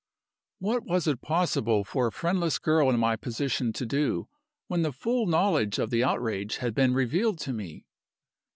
"What was it possible for a friendless girl in my position to do, when the full knowledge of the outrage had been revealed to me?